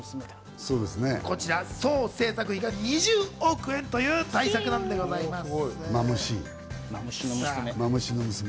こちら、総制作費が２０億円という大作なんでございます。